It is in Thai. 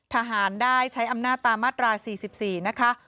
ทหารได้ใช้อำนาจตามมาตรา๔๔นะคะ